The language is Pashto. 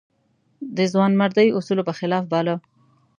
د ځوانمردۍ اصولو په خلاف باله.